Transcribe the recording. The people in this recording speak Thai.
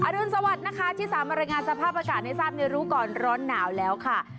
รุนสวัสดิ์นะคะที่สามารถรายงานสภาพอากาศให้ทราบในรู้ก่อนร้อนหนาวแล้วค่ะ